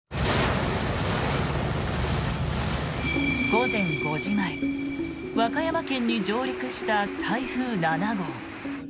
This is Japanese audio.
午前５時前和歌山県に上陸した台風７号。